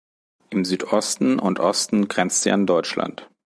Im Südosten und Osten grenzt sie an Deutschland.